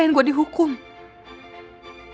kamu nggak usah maksa nino